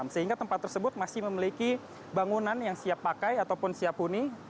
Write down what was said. sehingga tempat tersebut masih memiliki bangunan yang siap pakai ataupun siap huni